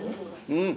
うん。